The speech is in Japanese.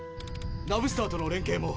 ナブスターとの連携も。